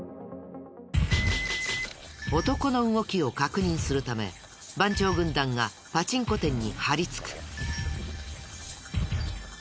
男の動きを確認するため番長軍団がパチンコ店に張りつく。